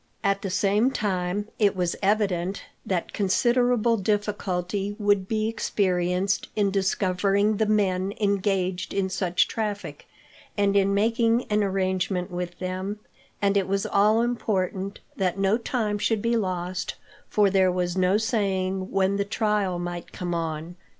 At the same time, it was evident that considerable difficulty would be experienced in discovering the men engaged in such traffic, and in making an arrangement with them, and it was all important that no time should be lost, for there was no saying when the trial might come on.